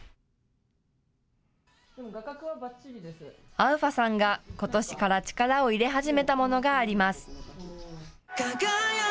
アウファさんがことしから力を入れ始めたものがあります。